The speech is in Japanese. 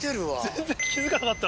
全然気付かなかった。